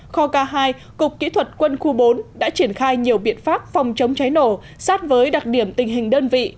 kho k hai cục kỹ thuật quân khu bốn đã triển khai nhiều biện pháp phòng chống cháy nổ sát với đặc điểm tình hình đơn vị